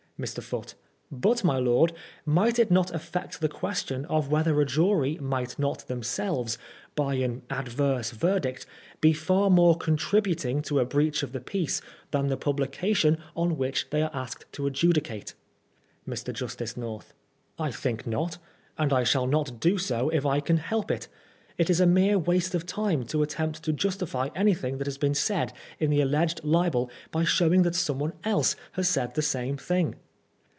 Mr. Foote : But, my lord, might it not affect the question of whether a jury might not themselves, by an adverse verdict, be far more contributiDg to a breach of the peace than the publica tion on which they are asked to adjudicate ? Mr. Justice North : I think not, and it shall not do so if I can help it. It is a mere waste of time to attempt to justify anything that has been said in the alleged Ubel by showing that someone else has said the same thing.